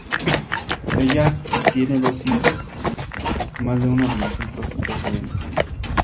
Ella tiene dos hijos más de una relación precedente.